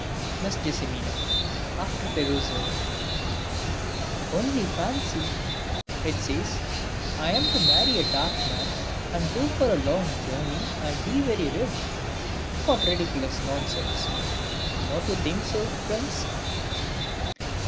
Miss Jess. (after perusal). Only fancy! It says I'm "to marry a dark man, and go for a long journey, and be very rich." What ridiculous nonsense! do you not think so, PRINCE?